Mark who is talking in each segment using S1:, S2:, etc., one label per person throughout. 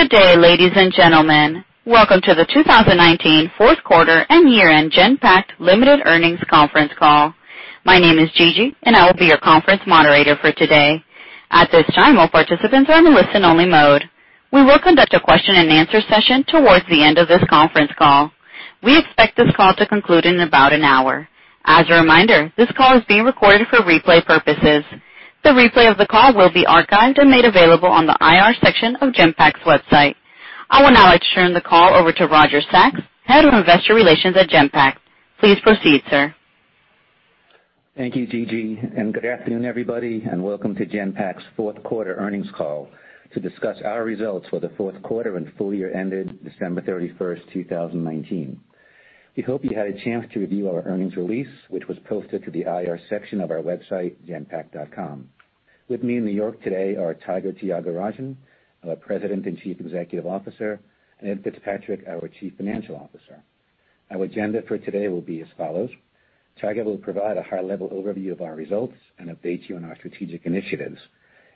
S1: Good day, ladies and gentlemen. Welcome to the 2019 fourth quarter and year-end Genpact Limited earnings conference call. My name is Gigi, and I will be your conference moderator for today. At this time, all participants are in listen-only mode. We will conduct a question and answer session towards the end of this conference call. We expect this call to conclude in about an hour. As a reminder, this call is being recorded for replay purposes. The replay of the call will be archived and made available on the IR section of Genpact's website. I will now turn the call over to Roger Sachs, Head of Investor Relations at Genpact. Please proceed, sir.
S2: Thank you, Gigi, good afternoon, everybody, and welcome to Genpact's fourth quarter earnings call to discuss our results for the fourth quarter and full year ended December 31st, 2019. We hope you had a chance to review our earnings release, which was posted to the IR section of our website, genpact.com. With me in New York today are Tiger Tyagarajan, our President and Chief Executive Officer, and Ed Fitzpatrick, our Chief Financial Officer. Our agenda for today will be as follows. Tiger will provide a high-level overview of our results and update you on our strategic initiatives.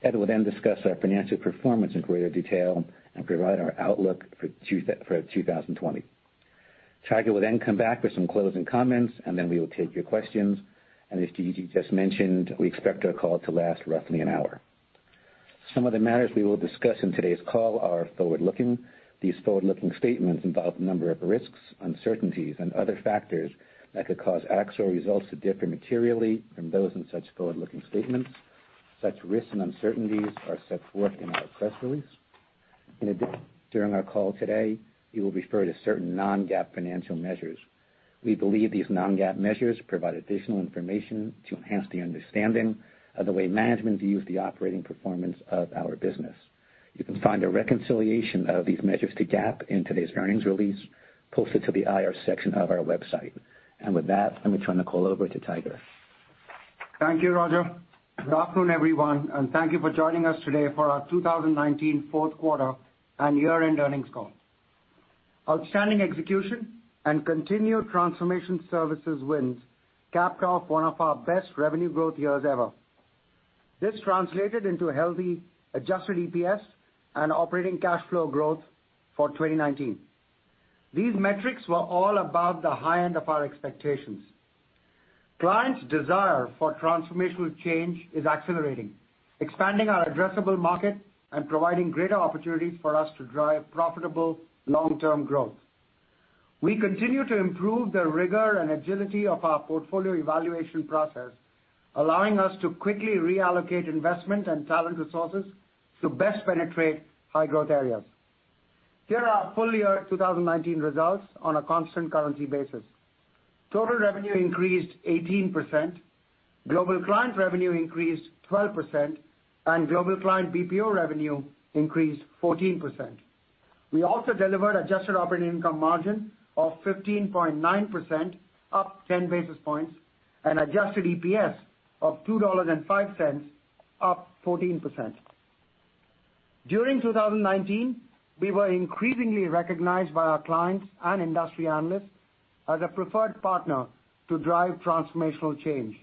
S2: Ed will discuss our financial performance in greater detail and provide our outlook for 2020. Tiger will come back with some closing comments, and then we will take your questions. As Gigi just mentioned, we expect our call to last roughly an hour. Some of the matters we will discuss in today's call are forward-looking. These forward-looking statements involve a number of risks, uncertainties, and other factors that could cause actual results to differ materially from those in such forward-looking statements. Such risks and uncertainties are set forth in our press release. In addition, during our call today, we will refer to certain non-GAAP financial measures. We believe these non-GAAP measures provide additional information to enhance the understanding of the way management views the operating performance of our business. You can find a reconciliation of these measures to GAAP in today's earnings release posted to the IR section of our website. With that, let me turn the call over to Tiger.
S3: Thank you, Roger. Good afternoon, everyone, and thank you for joining us today for our 2019 fourth quarter and year-end earnings call. Outstanding execution and continued transformation services wins capped off one of our best revenue growth years ever. This translated into healthy adjusted EPS and operating cash flow growth for 2019. These metrics were all above the high end of our expectations. Clients' desire for transformational change is accelerating, expanding our addressable market and providing greater opportunities for us to drive profitable long-term growth. We continue to improve the rigor and agility of our portfolio evaluation process, allowing us to quickly reallocate investment and talent resources to best penetrate high-growth areas. Here are our full-year 2019 results on a constant currency basis. Total revenue increased 18%, global client revenue increased 12%, and global client BPO revenue increased 14%. We also delivered adjusted operating income margin of 15.9%, up 10 basis points, and adjusted EPS of $2.05, up 14%. During 2019, we were increasingly recognized by our clients and industry analysts as a preferred partner to drive transformational change.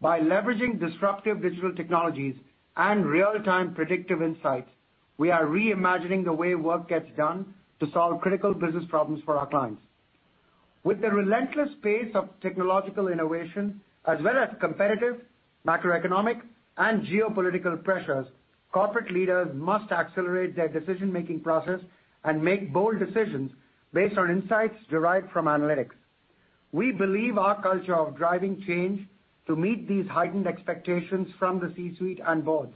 S3: By leveraging disruptive digital technologies and real-time predictive insights, we are reimagining the way work gets done to solve critical business problems for our clients. With the relentless pace of technological innovation, as well as competitive, macroeconomic, and geopolitical pressures, corporate leaders must accelerate their decision-making process and make bold decisions based on insights derived from analytics. We believe our culture of driving change to meet these heightened expectations from the C-suite and boards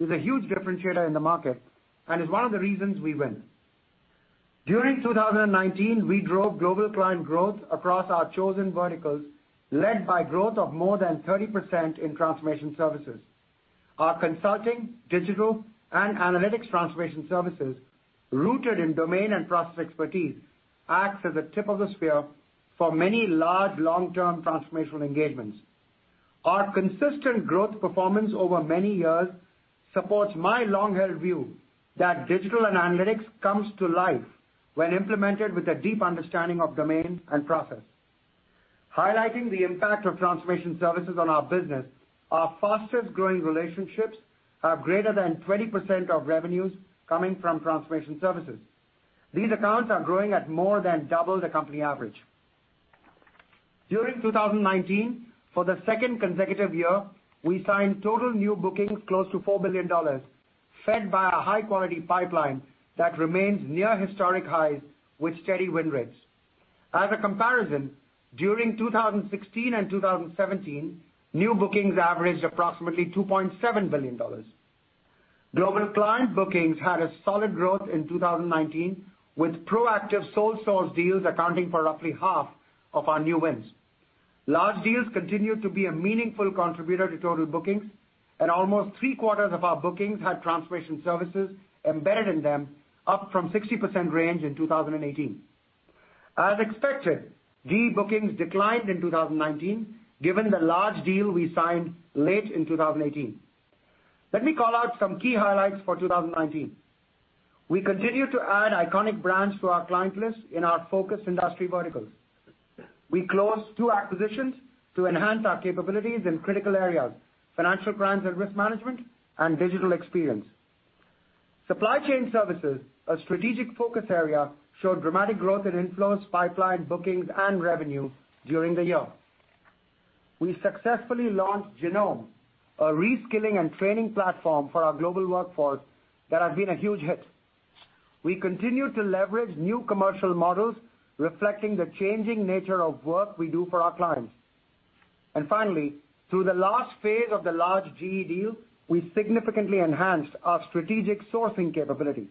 S3: is a huge differentiator in the market and is one of the reasons we win. During 2019, we drove global client growth across our chosen verticals, led by growth of more than 30% in transformation services. Our consulting, digital, and analytics transformation services, rooted in domain and process expertise, acts as a tip of the spear for many large long-term transformational engagements. Our consistent growth performance over many years supports my long-held view that digital and analytics comes to life when implemented with a deep understanding of domain and process. Highlighting the impact of transformation services on our business, our fastest-growing relationships have greater than 20% of revenues coming from transformation services. These accounts are growing at more than double the company average. During 2019, for the second consecutive year, we signed total new bookings close to $4 billion, fed by a high-quality pipeline that remains near historic highs with steady win rates. As a comparison, during 2016 and 2017, new bookings averaged approximately $2.7 billion. Global client bookings had a solid growth in 2019, with proactive sole source deals accounting for roughly half of our new wins. Large deals continue to be a meaningful contributor to total bookings. Almost three-quarters of our bookings had transformation services embedded in them, up from 60% range in 2018. As expected, deal bookings declined in 2019 given the large deal we signed late in 2018. Let me call out some key highlights for 2019. We continue to add iconic brands to our client list in our focused industry verticals. We closed two acquisitions to enhance our capabilities in critical areas, financial crimes and risk management, and digital experience. Supply chain services, a strategic focus area, showed dramatic growth in influence, pipeline bookings, and revenue during the year. We successfully launched Genome, a reskilling and training platform for our global workforce, that has been a huge hit. We continue to leverage new commercial models reflecting the changing nature of work we do for our clients. Finally, through the last phase of the large GE deal, we significantly enhanced our strategic sourcing capabilities.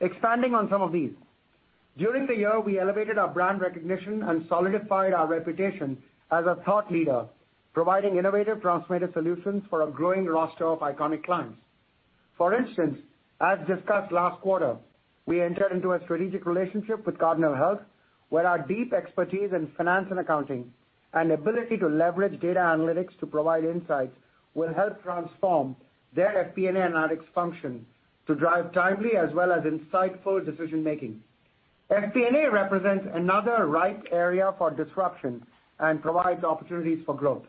S3: Expanding on some of these, during the year, we elevated our brand recognition and solidified our reputation as a thought leader, providing innovative transformative solutions for a growing roster of iconic clients. For instance, as discussed last quarter, we entered into a strategic relationship with Cardinal Health, where our deep expertise in finance and accounting and ability to leverage data analytics to provide insights will help transform their FP&A analytics function to drive timely as well as insightful decision-making. FP&A represents another ripe area for disruption and provides opportunities for growth.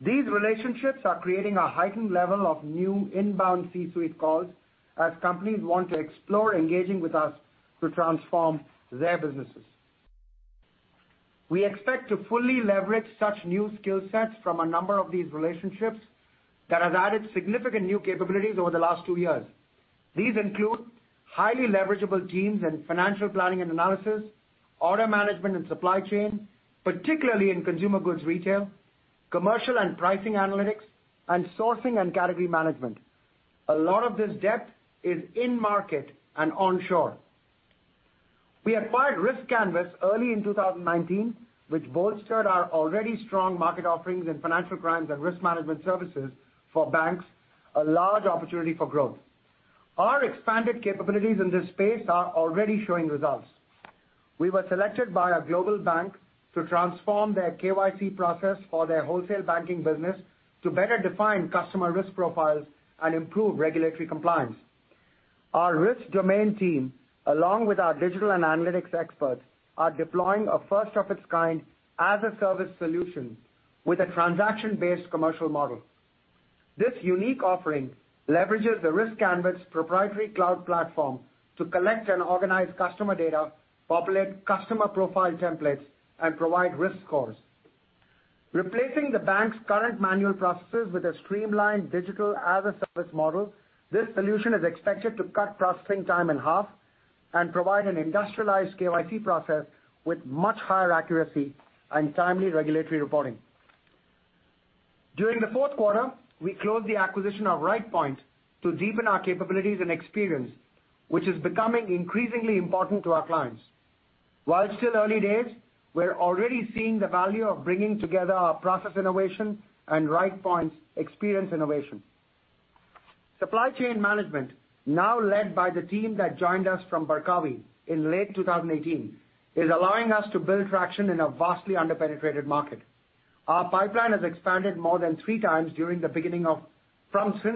S3: These relationships are creating a heightened level of new inbound C-suite calls as companies want to explore engaging with us to transform their businesses. We expect to fully leverage such new skill sets from a number of these relationships that have added significant new capabilities over the last two years. These include highly leverageable teams and financial planning and analysis, order management and supply chain, particularly in consumer goods retail, commercial and pricing analytics, and sourcing and category management. A lot of this depth is in market and onshore. We acquired riskCanvas early in 2019, which bolstered our already strong market offerings in financial crimes and risk management services for banks, a large opportunity for growth. Our expanded capabilities in this space are already showing results. We were selected by a global bank to transform their KYC process for their wholesale banking business to better define customer risk profiles and improve regulatory compliance. Our risk domain team, along with our digital and analytics experts, are deploying a first-of-its-kind as-a-service solution with a transaction-based commercial model. This unique offering leverages the riskCanvas proprietary cloud platform to collect and organize customer data, populate customer profile templates, and provide risk scores. Replacing the bank's current manual processes with a streamlined digital as-a-service model, this solution is expected to cut processing time in half and provide an industrialized KYC process with much higher accuracy and timely regulatory reporting. During the fourth quarter, we closed the acquisition of Rightpoint to deepen our capabilities and experience, which is becoming increasingly important to our clients. While it's still early days, we're already seeing the value of bringing together our process innovation and Rightpoint's experience innovation. Supply chain management, now led by the team that joined us from Barkawi in late 2018, is allowing us to build traction in a vastly under-penetrated market. Our pipeline has expanded more than three times since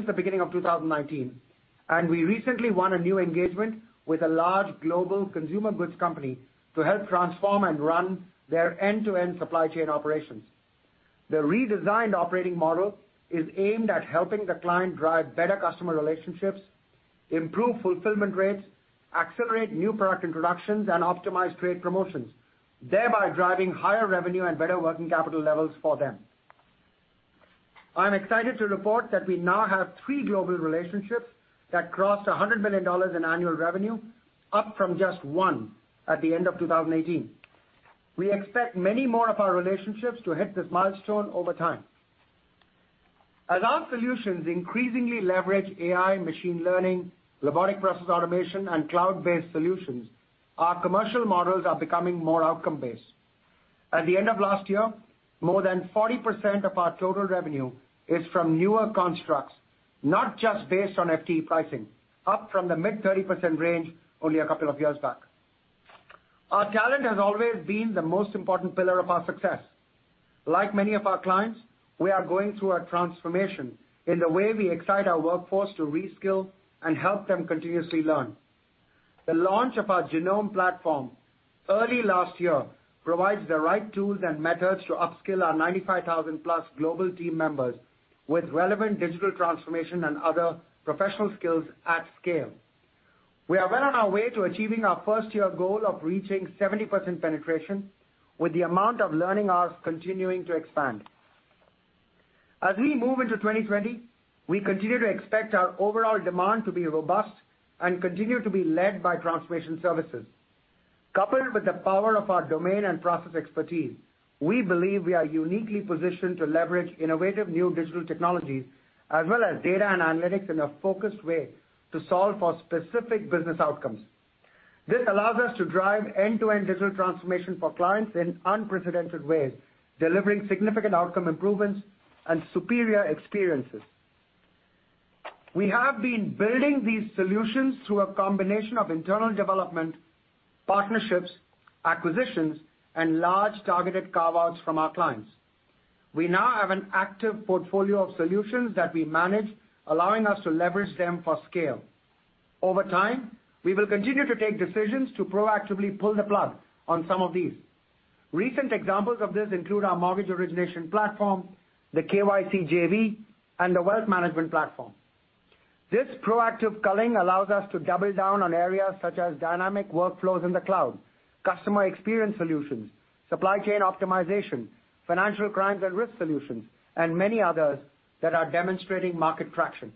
S3: the beginning of 2019, and we recently won a new engagement with a large global consumer goods company to help transform and run their end-to-end supply chain operations. The redesigned operating model is aimed at helping the client drive better customer relationships, improve fulfillment rates, accelerate new product introductions, and optimize trade promotions, thereby driving higher revenue and better working capital levels for them. I'm excited to report that we now have three global relationships that crossed $100 million in annual revenue, up from just one at the end of 2018. We expect many more of our relationships to hit this milestone over time. As our solutions increasingly leverage AI, machine learning, robotic process automation, and cloud-based solutions, our commercial models are becoming more outcome-based. At the end of last year, more than 40% of our total revenue is from newer constructs, not just based on FTE pricing, up from the mid-30% range only a couple of years back. Our talent has always been the most important pillar of our success. Like many of our clients, we are going through a transformation in the way we excite our workforce to reskill and help them continuously learn. The launch of our Genome platform early last year provides the right tools and methods to upskill our 95,000-plus global team members with relevant digital transformation and other professional skills at scale. We are well on our way to achieving our first-year goal of reaching 70% penetration, with the amount of learning hours continuing to expand. As we move into 2020, we continue to expect our overall demand to be robust and continue to be led by transformation services. Coupled with the power of our domain and process expertise, we believe we are uniquely positioned to leverage innovative new digital technologies as well as data and analytics in a focused way to solve for specific business outcomes. This allows us to drive end-to-end digital transformation for clients in unprecedented ways, delivering significant outcome improvements and superior experiences. We have been building these solutions through a combination of internal development, partnerships, acquisitions, and large targeted carve-outs from our clients. We now have an active portfolio of solutions that we manage, allowing us to leverage them for scale. Over time, we will continue to take decisions to proactively pull the plug on some of these. Recent examples of this include our mortgage origination platform, the KYC JV, and the wealth management platform. This proactive culling allows us to double down on areas such as dynamic workflows in the cloud, customer experience solutions, supply chain optimization, financial crimes and risk solutions, and many others that are demonstrating market traction.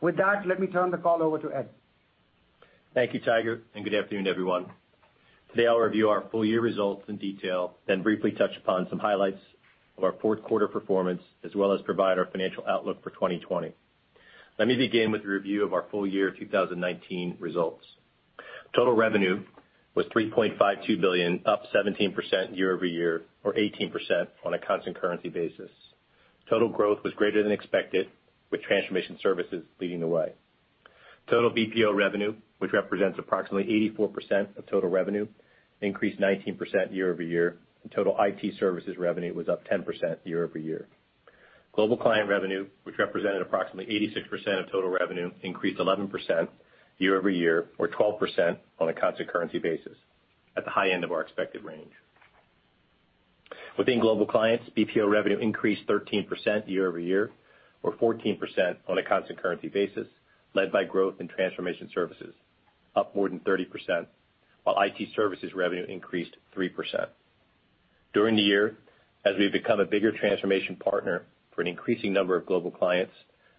S3: With that, let me turn the call over to Ed.
S4: Thank you, Tiger, and good afternoon, everyone. Today, I'll review our full year results in detail, then briefly touch upon some highlights of our fourth quarter performance, as well as provide our financial outlook for 2020. Let me begin with a review of our full year 2019 results. Total revenue was $3.52 billion, up 17% year-over-year or 18% on a constant currency basis. Total growth was greater than expected, with transformation services leading the way. Total BPO revenue, which represents approximately 84% of total revenue, increased 19% year-over-year, and total IT services revenue was up 10% year-over-year. Global client revenue, which represented approximately 86% of total revenue, increased 11% year-over-year or 12% on a constant currency basis, at the high end of our expected range. Within global clients, BPO revenue increased 13% year-over-year or 14% on a constant currency basis, led by growth in transformation services, up more than 30%, while IT services revenue increased 3%. During the year, as we've become a bigger transformation partner for an increasing number of global clients,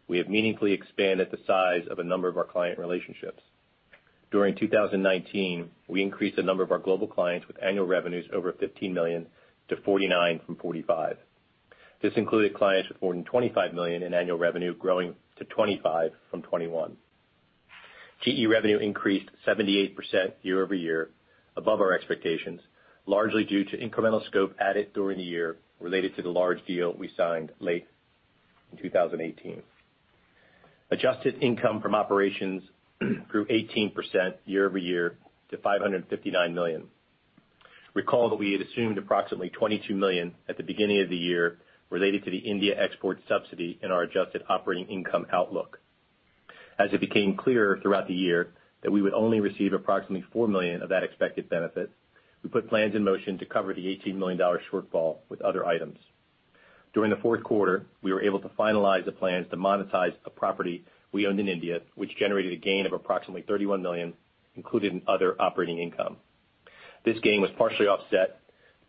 S4: we have meaningfully expanded the size of a number of our client relationships. During 2019, we increased the number of our global clients with annual revenues over $15 million to 49 from 45. This included clients with more than $25 million in annual revenue growing to 25 from 21. GE revenue increased 78% year-over-year above our expectations, largely due to incremental scope added during the year related to the large deal we signed late in 2018. Adjusted income from operations grew 18% year-over-year to $559 million. Recall that we had assumed approximately $22 million at the beginning of the year related to the India export subsidy in our adjusted operating income outlook. As it became clearer throughout the year that we would only receive approximately $4 million of that expected benefit, we put plans in motion to cover the $18 million shortfall with other items. During the fourth quarter, we were able to finalize the plans to monetize a property we owned in India, which generated a gain of approximately $31 million included in other operating income. This gain was partially offset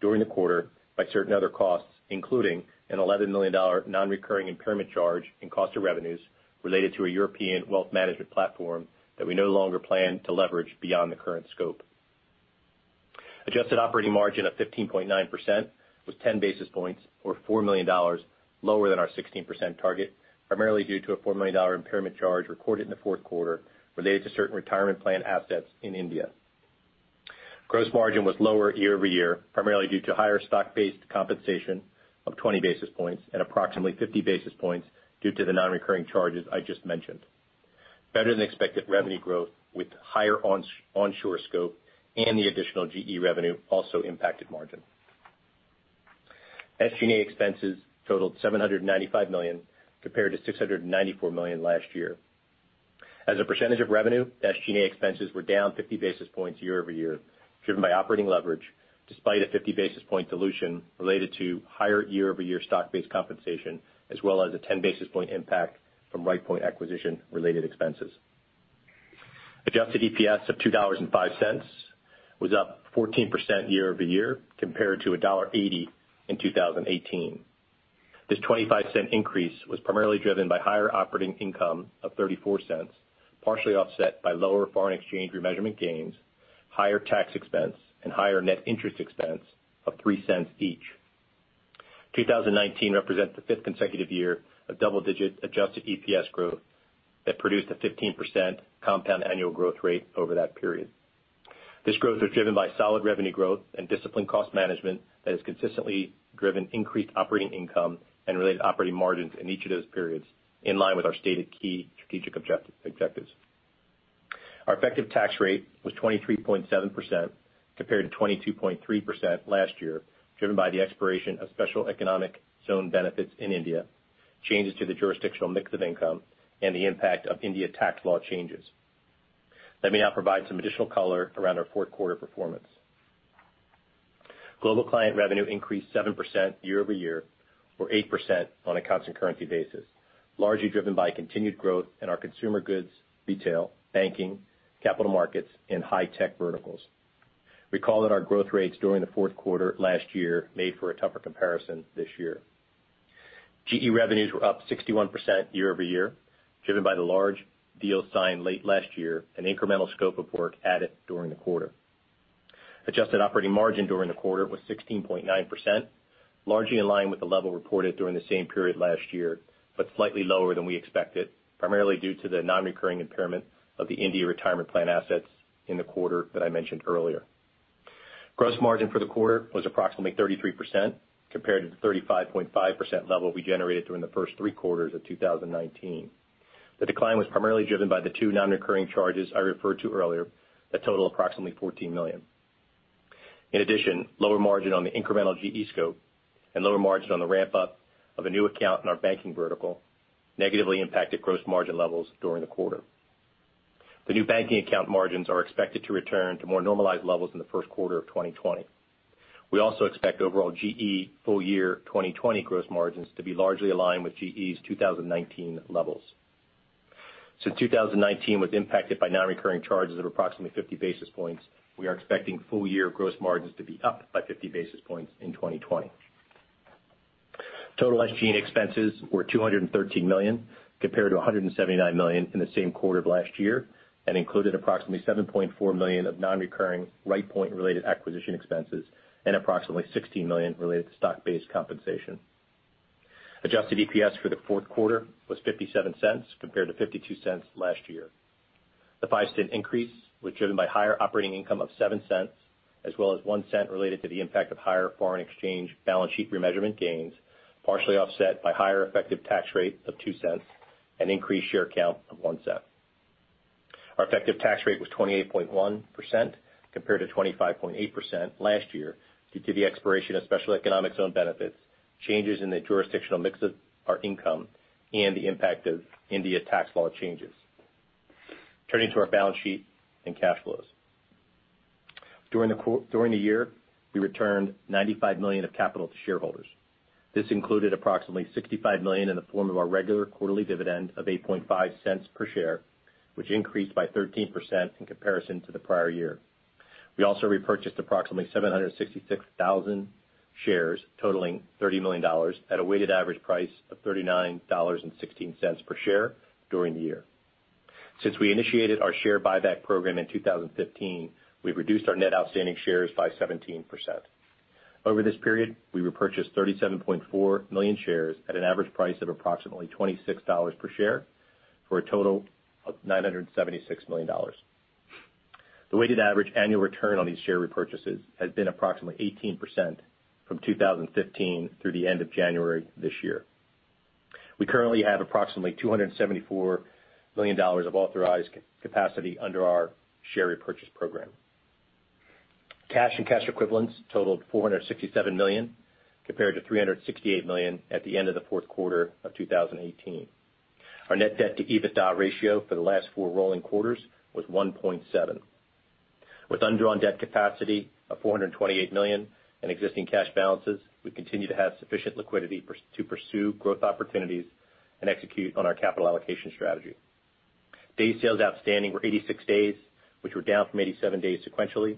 S4: during the quarter by certain other costs, including an $11 million non-recurring impairment charge in cost of revenues related to a European wealth management platform that we no longer plan to leverage beyond the current scope. Adjusted operating margin of 15.9% was 10 basis points or $4 million lower than our 16% target, primarily due to a $4 million impairment charge recorded in the fourth quarter related to certain retirement plan assets in India. Gross margin was lower year-over-year, primarily due to higher stock-based compensation of 20 basis points and approximately 50 basis points due to the non-recurring charges I just mentioned. Better than expected revenue growth with higher onshore scope and the additional GE revenue also impacted margin. SG&A expenses totaled $795 million compared to $694 million last year. As a percentage of revenue, SG&A expenses were down 50 basis points year-over-year, driven by operating leverage, despite a 50 basis point dilution related to higher year-over-year stock-based compensation, as well as a 10 basis point impact from Rightpoint acquisition related expenses. Adjusted EPS of $2.05 was up 14% year-over-year compared to $1.80 in 2018. This $0.25 increase was primarily driven by higher operating income of $0.34, partially offset by lower foreign exchange remeasurement gains, higher tax expense, and higher net interest expense of $0.03 each. 2019 represents the fifth consecutive year of double-digit adjusted EPS growth that produced a 15% compound annual growth rate over that period. This growth was driven by solid revenue growth and disciplined cost management that has consistently driven increased operating income and related operating margins in each of those periods, in line with our stated key strategic objectives. Our effective tax rate was 23.7% compared to 22.3% last year, driven by the expiration of Special Economic Zone benefits in India, changes to the jurisdictional mix of income, and the impact of India tax law changes. Let me now provide some additional color around our fourth quarter performance. Global client revenue increased 7% year-over-year or 8% on a constant currency basis, largely driven by continued growth in our consumer goods, retail, banking, capital markets, and high tech verticals. Recall that our growth rates during the fourth quarter last year made for a tougher comparison this year. GE revenues were up 61% year-over-year, driven by the large deal signed late last year and incremental scope of work added during the quarter. Adjusted operating margin during the quarter was 16.9%, largely in line with the level reported during the same period last year, but slightly lower than we expected, primarily due to the non-recurring impairment of the India retirement plan assets in the quarter that I mentioned earlier. Gross margin for the quarter was approximately 33% compared to the 35.5% level we generated during the first three quarters of 2019. The decline was primarily driven by the two non-recurring charges I referred to earlier that total approximately $14 million. In addition, lower margin on the incremental GE scope and lower margin on the ramp-up of a new account in our banking vertical negatively impacted gross margin levels during the quarter. The new banking account margins are expected to return to more normalized levels in the first quarter of 2020. We also expect overall GE full year 2020 gross margins to be largely aligned with GE's 2019 levels. Since 2019 was impacted by non-recurring charges of approximately 50 basis points, we are expecting full-year gross margins to be up by 50 basis points in 2020. Total SG&A expenses were $213 million, compared to $179 million in the same quarter of last year, and included approximately $7.4 million of non-recurring Rightpoint-related acquisition expenses and approximately $16 million related to stock-based compensation. Adjusted EPS for the fourth quarter was $0.57 compared to $0.52 last year. The $0.05 increase was driven by higher operating income of $0.07, as well as $0.01 related to the impact of higher foreign exchange balance sheet remeasurement gains, partially offset by higher effective tax rate of $0.02 and increased share count of $0.01. Our effective tax rate was 28.1% compared to 25.8% last year due to the expiration of Special Economic Zone benefits, changes in the jurisdictional mix of our income, and the impact of India tax law changes. Turning to our balance sheet and cash flows. During the year, we returned $95 million of capital to shareholders. This included approximately $65 million in the form of our regular quarterly dividend of $0.085 per share, which increased by 13% in comparison to the prior year. We also repurchased approximately 766,000 shares, totaling $30 million at a weighted average price of $39.16 per share during the year. Since we initiated our share buyback program in 2015, we've reduced our net outstanding shares by 17%. Over this period, we repurchased 37.4 million shares at an average price of approximately $26 per share for a total of $976 million. The weighted average annual return on these share repurchases has been approximately 18% from 2015 through the end of January this year. We currently have approximately $274 million of authorized capacity under our share repurchase program. Cash and cash equivalents totaled $467 million, compared to $368 million at the end of the fourth quarter of 2018. Our net debt to EBITDA ratio for the last four rolling quarters was 1.7. With undrawn debt capacity of $428 million in existing cash balances, we continue to have sufficient liquidity to pursue growth opportunities and execute on our capital allocation strategy. Day sales outstanding were 86 days, which were down from 87 days sequentially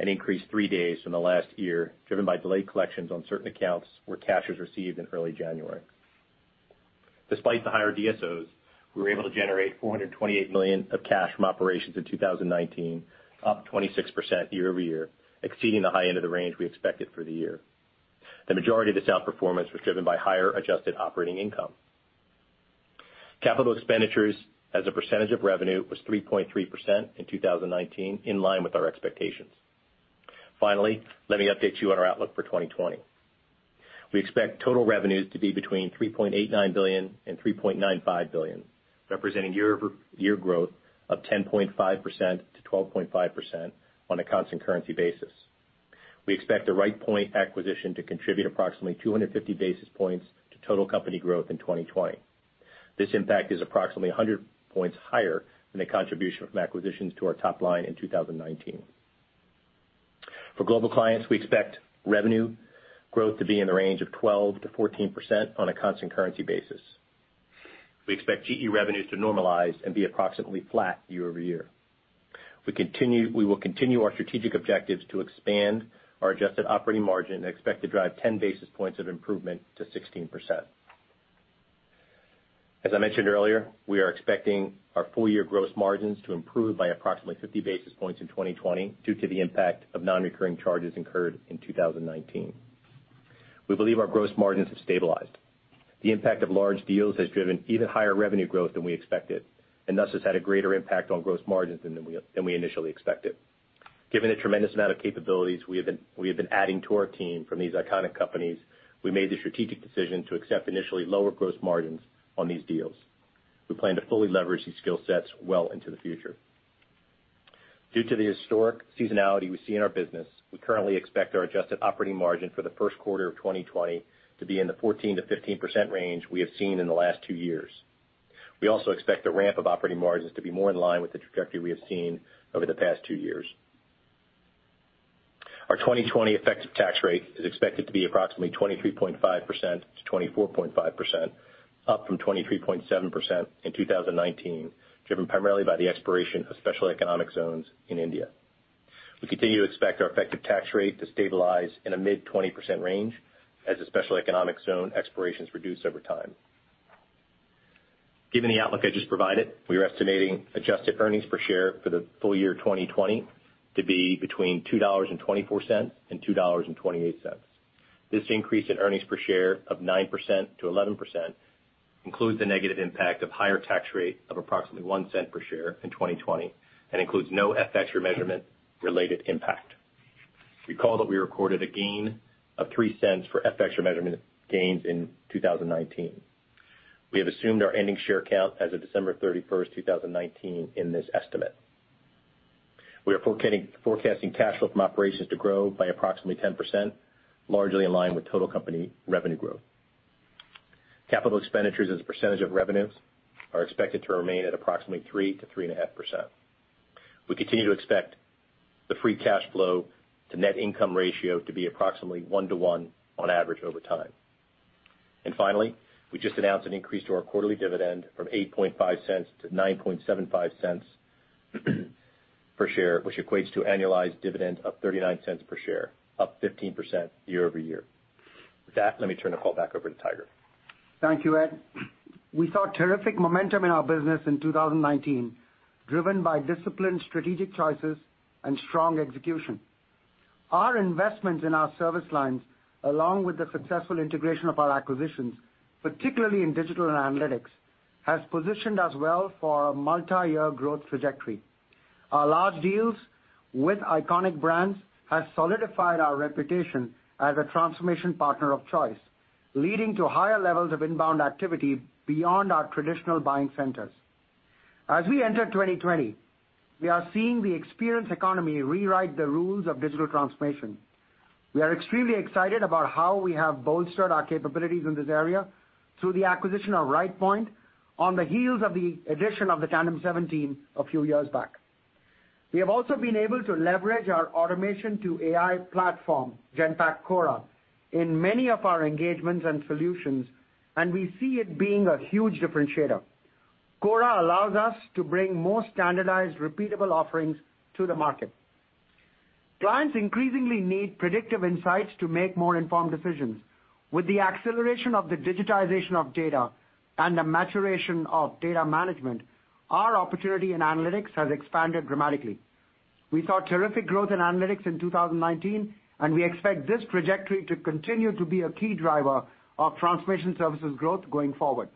S4: and increased three days from the last year, driven by delayed collections on certain accounts where cash was received in early January. Despite the higher DSOs, we were able to generate $428 million of cash from operations in 2019, up 26% year-over-year, exceeding the high end of the range we expected for the year. The majority of this outperformance was driven by higher adjusted operating income. Capital expenditures as a percentage of revenue was 3.3% in 2019, in line with our expectations. Let me update you on our outlook for 2020. We expect total revenues to be between $3.89 billion and $3.95 billion, representing year-over-year growth of 10.5%-12.5% on a constant currency basis. We expect the Rightpoint acquisition to contribute approximately 250 basis points to total company growth in 2020. This impact is approximately 100 points higher than the contribution from acquisitions to our top line in 2019. For Global Clients, we expect revenue growth to be in the range of 12%-14% on a constant currency basis. We expect GE revenues to normalize and be approximately flat year-over-year. We will continue our strategic objectives to expand our adjusted operating margin and expect to drive 10 basis points of improvement to 16%. As I mentioned earlier, we are expecting our full year gross margins to improve by approximately 50 basis points in 2020 due to the impact of non-recurring charges incurred in 2019. We believe our gross margins have stabilized. The impact of large deals has driven even higher revenue growth than we expected, and thus has had a greater impact on gross margins than we initially expected. Given the tremendous amount of capabilities we have been adding to our team from these iconic companies, we made the strategic decision to accept initially lower gross margins on these deals. We plan to fully leverage these skill sets well into the future. Due to the historic seasonality we see in our business, we currently expect our adjusted operating margin for the first quarter of 2020 to be in the 14%-15% range we have seen in the last two years. We also expect the ramp of operating margins to be more in line with the trajectory we have seen over the past two years. Our 2020 effective tax rate is expected to be approximately 23.5%-24.5%, up from 23.7% in 2019, driven primarily by the expiration of Special Economic Zones in India. We continue to expect our effective tax rate to stabilize in a mid-20% range as the Special Economic Zone expirations reduce over time. Given the outlook I just provided, we are estimating adjusted earnings per share for the full year 2020 to be between $2.24-$2.28. This increase in earnings per share of 9%-11% includes the negative impact of higher tax rate of approximately $0.01 per share in 2020 and includes no FX remeasurement-related impact. Recall that we recorded a gain of $0.03 for FX measurement gains in 2019. We have assumed our ending share count as of December 31st, 2019 in this estimate. We are forecasting cash flow from operations to grow by approximately 10%, largely in line with total company revenue growth. Capital expenditures as a percentage of revenues are expected to remain at approximately 3%-3.5%. We continue to expect the free cash flow to net income ratio to be approximately one to one on average over time. Finally, we just announced an increase to our quarterly dividend from $0.085 to $0.0975 per share, which equates to annualized dividend of $0.39 per share, up 15% year-over-year. With that, let me turn the call back over to Tiger.
S3: Thank you, Ed. We saw terrific momentum in our business in 2019, driven by disciplined strategic choices and strong execution. Our investments in our service lines, along with the successful integration of our acquisitions, particularly in digital and analytics, has positioned us well for a multi-year growth trajectory. Our large deals with iconic brands have solidified our reputation as a transformation partner of choice, leading to higher levels of inbound activity beyond our traditional buying centers. As we enter 2020, we are seeing the experience economy rewrite the rules of digital transformation. We are extremely excited about how we have bolstered our capabilities in this area through the acquisition of Rightpoint on the heels of the addition of the TandemSeven team a few years back. We have also been able to leverage our automation to AI platform, Genpact Cora, in many of our engagements and solutions, and we see it being a huge differentiator. Cora allows us to bring more standardized, repeatable offerings to the market. Clients increasingly need predictive insights to make more informed decisions. With the acceleration of the digitization of data and the maturation of data management, our opportunity in analytics has expanded dramatically. We saw terrific growth in analytics in 2019, and we expect this trajectory to continue to be a key driver of transformation services growth going forward.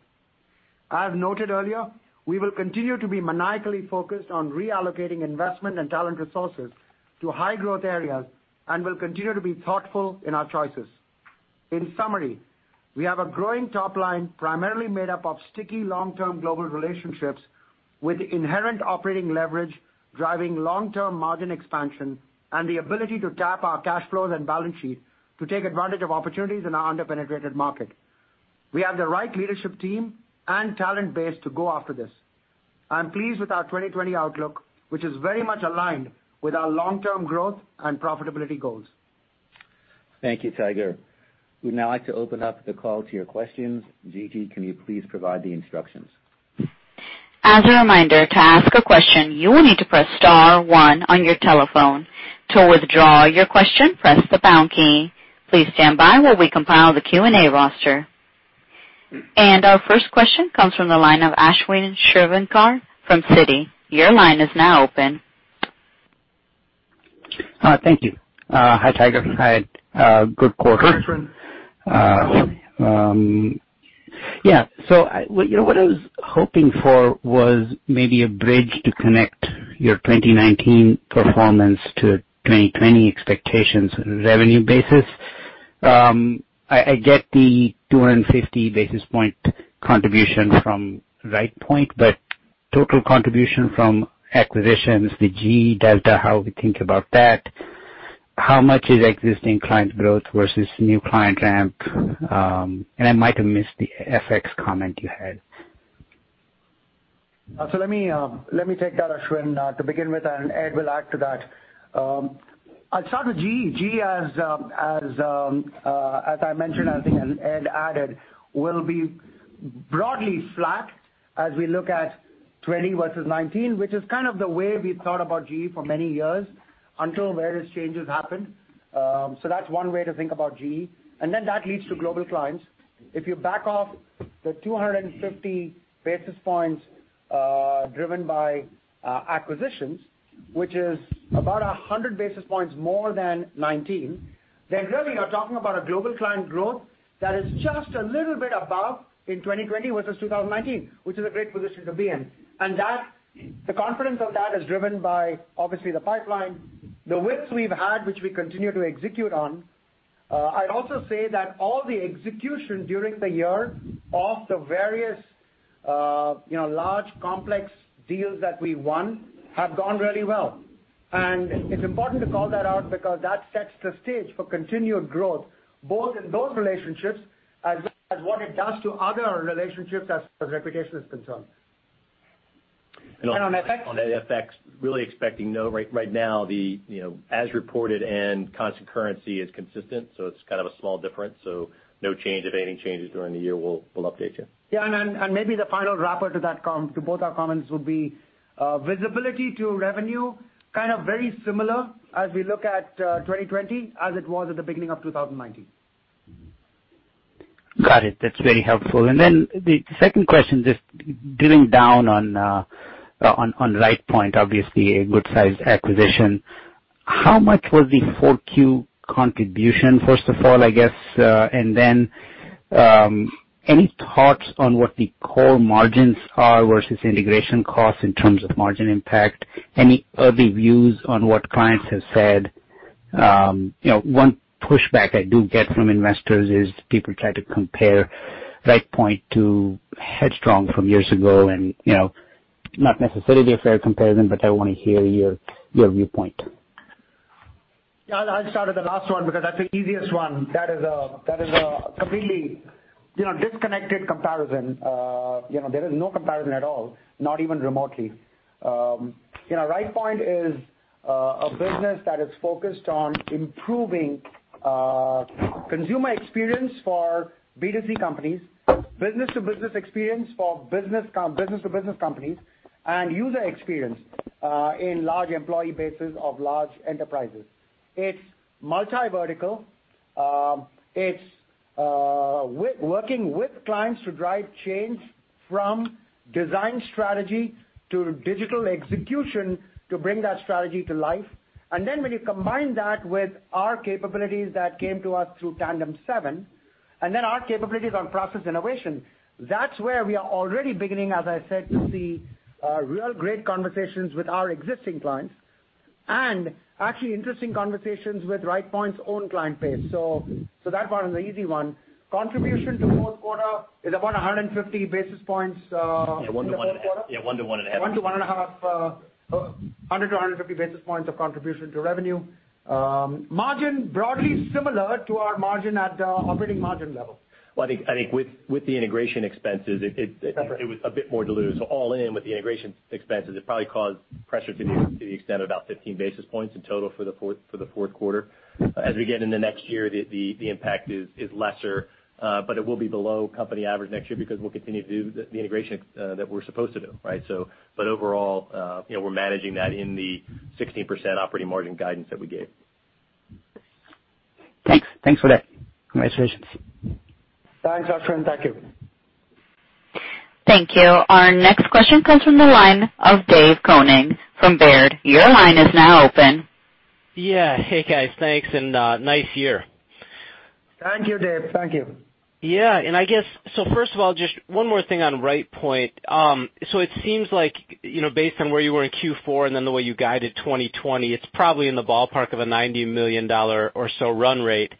S3: I have noted earlier, we will continue to be maniacally focused on reallocating investment and talent resources to high growth areas and will continue to be thoughtful in our choices. In summary, we have a growing top line primarily made up of sticky long-term global relationships with inherent operating leverage, driving long-term margin expansion, and the ability to tap our cash flows and balance sheet to take advantage of opportunities in our under-penetrated market. We have the right leadership team and talent base to go after this. I am pleased with our 2020 outlook, which is very much aligned with our long-term growth and profitability goals.
S2: Thank you, Tiger. We'd now like to open up the call to your questions. Gigi, can you please provide the instructions?
S1: As a reminder, to ask a question, you will need to press star one on your telephone. To withdraw your question, press the pound key. Please stand by while we compile the Q&A roster. Our first question comes from the line of Ashwin Shirvaikar from Citi. Your line is now open.
S5: Hi. Thank you. Hi, Tiger. Hi, Ed. Good quarter. What I was hoping for was maybe a bridge to connect your 2019 performance to 2020 expectations on a revenue basis. I get the 250 basis point contribution from Rightpoint, but total contribution from acquisitions, the GE Delta, how we think about that, how much is existing client growth versus new client ramp? I might have missed the FX comment you had.
S3: Let me take that, Ashwin Shirvaikar, to begin with, and Ed will add to that. I'll start with GE. GE, as I mentioned, I think, and Ed added, will be broadly flat as we look at 2020 versus 2019, which is kind of the way we thought about GE for many years until various changes happened. That's one way to think about GE. Then that leads to global clients. If you back off the 250 basis points driven by acquisitions, which is about 100 basis points more than 2019, then really you're talking about a global client growth that is just a little bit above in 2020 versus 2019, which is a great position to be in. The confidence of that is driven by, obviously, the pipeline, the widths we've had, which we continue to execute on. I'd also say that all the execution during the year of the various large, complex deals that we won have gone really well. It's important to call that out because that sets the stage for continued growth, both in those relationships as well as what it does to other relationships as reputation is concerned.
S5: On FX?
S4: On FX, really expecting no right now. As reported and constant currency is consistent, it's kind of a small difference. No change. If anything changes during the year, we'll update you.
S3: Yeah, maybe the final wrapper to both our comments would be visibility to revenue, kind of very similar as we look at 2020 as it was at the beginning of 2019.
S5: Got it. That's very helpful. The second question, just drilling down on Rightpoint, obviously a good sized acquisition. How much was the 4Q contribution, first of all, I guess, and then. Any thoughts on what the core margins are versus integration costs in terms of margin impact? Any early views on what clients have said? One pushback I do get from investors is people try to compare Rightpoint to Headstrong from years ago, and not necessarily a fair comparison, but I want to hear your viewpoint.
S3: I'll start with the last one, because that's the easiest one. That is a completely disconnected comparison. There is no comparison at all, not even remotely. Rightpoint is a business that is focused on improving consumer experience for B2C companies, business to business experience for business to business companies, and user experience in large employee bases of large enterprises. It's multi-vertical. It's working with clients to drive change from design strategy to digital execution to bring that strategy to life. When you combine that with our capabilities that came to us through TandemSeven, and then our capabilities on process innovation, that's where we are already beginning, as I said, to see real great conversations with our existing clients, and actually interesting conversations with Rightpoint's own client base. That part is the easy one. Contribution to fourth quarter is about 150 basis points-
S4: Yeah, one to one and a half.
S3: one to one and a half, 100 to 150 basis points of contribution to revenue. Margin, broadly similar to our margin at operating margin level.
S4: Well, I think with the integration expenses.
S3: Separate
S4: it was a bit more dilute. All in with the integration expenses, it probably caused pressure to the extent of about 15 basis points in total for the fourth quarter. As we get in the next year, the impact is lesser, but it will be below company average next year because we'll continue to do the integration that we're supposed to do. Right? Overall, we're managing that in the 16% operating margin guidance that we gave.
S5: Thanks. Thanks for that. Congratulations.
S3: Thanks, Ashwin. Thank you.
S1: Thank you. Our next question comes from the line of David Koning from Baird. Your line is now open.
S6: Yeah. Hey, guys. Thanks, and nice year.
S3: Thank you, Dave. Thank you.
S6: Yeah. I guess, first of all, just one more thing on Rightpoint. It seems like, based on where you were in Q4 and then the way you guided 2020, it's probably in the ballpark of a $90 million or so run rate.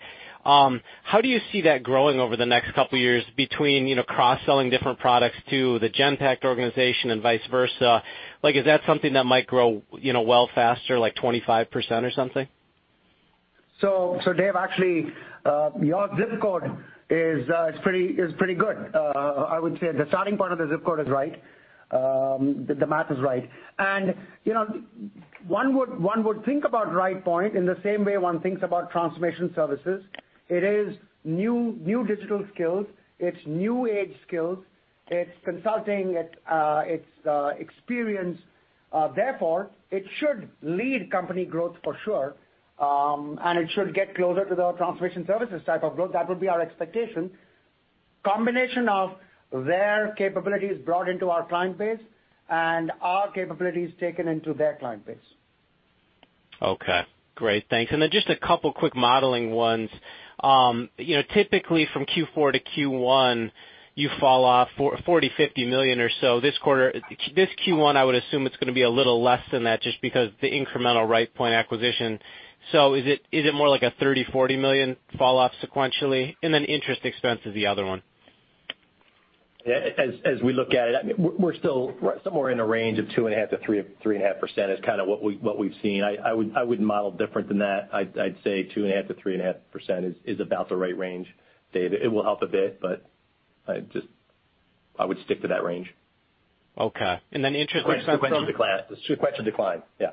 S6: How do you see that growing over the next couple of years between cross-selling different products to the Genpact organization and vice versa? Is that something that might grow well faster, like 25% or something?
S3: Dave, actually, your zip code is pretty good. I would say the starting point of the zip code is right. The math is right. One would think about Rightpoint in the same way one thinks about transformation services. It is new digital skills, it's new age skills, it's consulting, it's experience. Therefore, it should lead company growth for sure, and it should get closer to the transformation services type of growth. That would be our expectation. Combination of their capabilities brought into our client base and our capabilities taken into their client base.
S6: Okay. Great, thanks. Just a couple quick modeling ones. Typically from Q4 to Q1, you fall off $40 million-$50 million or so. This Q1, I would assume it's going to be a little less than that just because the incremental Rightpoint acquisition. Is it more like a $30 million-$40 million falloff sequentially? Interest expense is the other one.
S4: As we look at it, we're still somewhere in a range of 2.5% to 3.5% is kind of what we've seen. I wouldn't model different than that. I'd say 2.5%-3.5% is about the right range, Dave. It will help a bit. I would stick to that range.
S6: Okay. Interest expense.
S4: It's sequential decline.
S3: Yeah.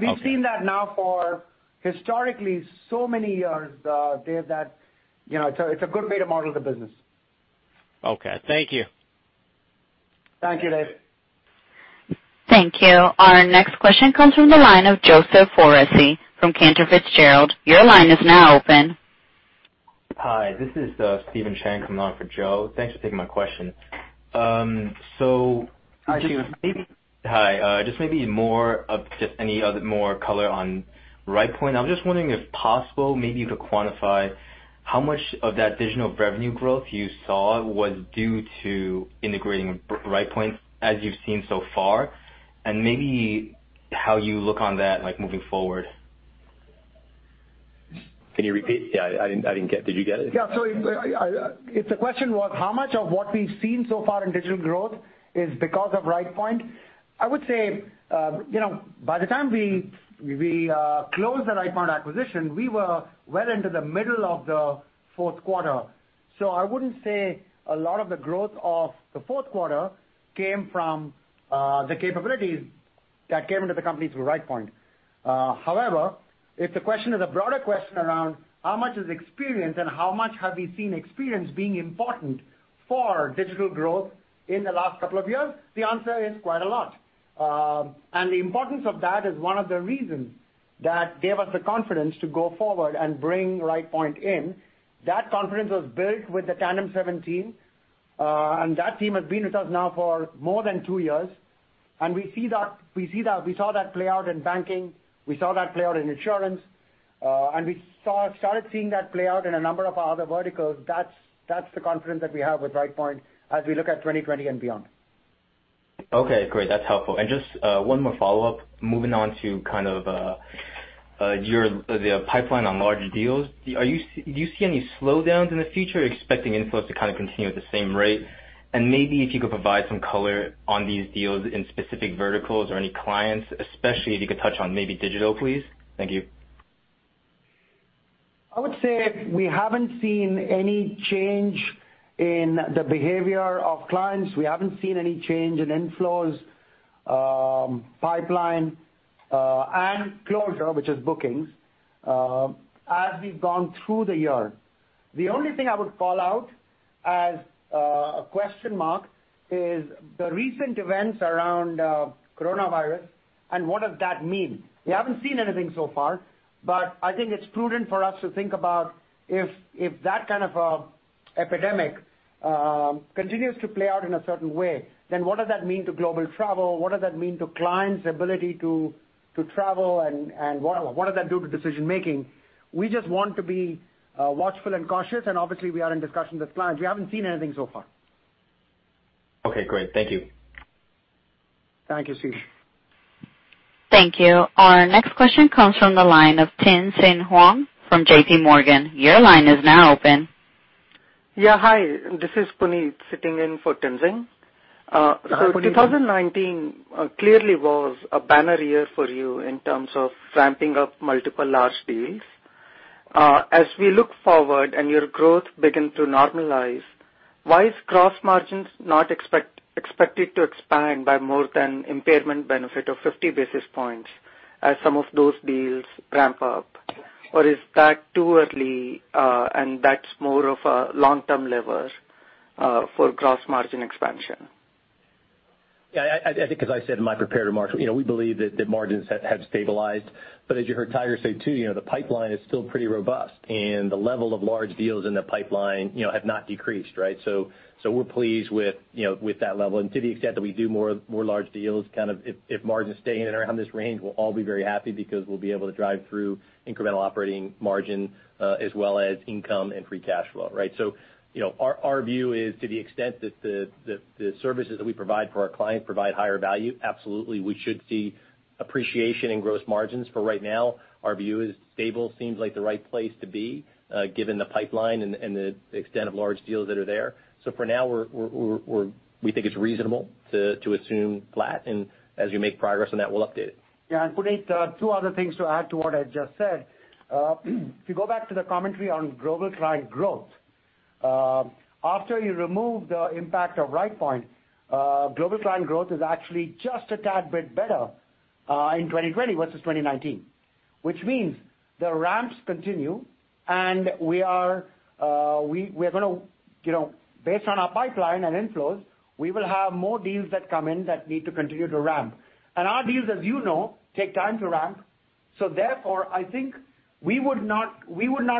S3: We've seen that now for historically so many years, Dave, that it's a good way to model the business.
S6: Okay. Thank you.
S3: Thank you, Dave.
S1: Thank you. Our next question comes from the line of Joseph Foresi from Cantor Fitzgerald. Your line is now open.
S7: Hi. This is Steven Chang coming on for Joe. Thanks for taking my question.
S3: Hi, Steven.
S7: Hi. Just maybe more of just any other more color on Rightpoint, I'm just wondering if possible, maybe you could quantify how much of that digital revenue growth you saw was due to integrating Rightpoint as you've seen so far, and maybe how you look on that moving forward?
S4: Can you repeat? Yeah, Did you get it?
S3: Yeah. If the question was, how much of what we've seen so far in digital growth is because of Rightpoint, I would say, by the time we closed the Rightpoint acquisition, we were well into the middle of the fourth quarter. I wouldn't say a lot of the growth of the fourth quarter came from the capabilities that came into the company through Rightpoint. However, if the question is a broader question around how much is experience and how much have we seen experience being important for digital growth in the last couple of years, the answer is quite a lot. The importance of that is one of the reasons that gave us the confidence to go forward and bring Rightpoint in. That confidence was built with the TandemSeven team. That team has been with us now for more than two years. We saw that play out in banking. We saw that play out in insurance. We started seeing that play out in a number of our other verticals. That's the confidence that we have with Rightpoint as we look at 2020 and beyond.
S7: Okay, great. That's helpful. Just one more follow-up, moving on to the pipeline on large deals. Do you see any slowdowns in the future? Are you expecting inflows to kind of continue at the same rate? Maybe if you could provide some color on these deals in specific verticals or any clients, especially if you could touch on maybe digital, please. Thank you.
S3: I would say we haven't seen any change in the behavior of clients. We haven't seen any change in inflows, pipeline, and closure, which is bookings, as we've gone through the year. The only thing I would call out as a question mark is the recent events around coronavirus and what does that mean. We haven't seen anything so far, but I think it's prudent for us to think about if that kind of epidemic continues to play out in a certain way, then what does that mean to global travel? What does that mean to clients' ability to travel and what does that do to decision-making? We just want to be watchful and cautious, and obviously, we are in discussion with clients. We haven't seen anything so far.
S7: Okay, great. Thank you.
S3: Thank you, Steven.
S1: Thank you. Our next question comes from the line of Tien-Tsin Huang from JPMorgan. Your line is now open.
S8: Hi, this is Puneet sitting in for Tien-Tsin.
S3: Hi, Puneet.
S8: 2019 clearly was a banner year for you in terms of ramping up multiple large deals. As we look forward and your growth begin to normalize, why is gross margins not expected to expand by more than impairment benefit of 50 basis points as some of those deals ramp up? Or is that too early, and that's more of a long-term lever for gross margin expansion?
S4: Yeah. I think as I said in my prepared remarks, we believe that the margins have stabilized. As you heard Tiger say, too, the pipeline is still pretty robust, and the level of large deals in the pipeline have not decreased, right? We're pleased with that level. And to the extent that we do more large deals, if margins stay in and around this range, we'll all be very happy because we'll be able to drive through incremental operating margin as well as income and free cash flow, right? Our view is to the extent that the services that we provide for our clients provide higher value, absolutely, we should see appreciation in gross margins. For right now, our view is stable seems like the right place to be given the pipeline and the extent of large deals that are there. For now, we think it's reasonable to assume flat, and as we make progress on that, we'll update it.
S3: Yeah. Puneet, two other things to add to what Ed just said. If you go back to the commentary on global client growth, after you remove the impact of Rightpoint, global client growth is actually just a tad bit better in 2020 versus 2019, which means the ramps continue, based on our pipeline and inflows, we will have more deals that come in that need to continue to ramp. Our deals, as you know, take time to ramp, therefore, I think we would not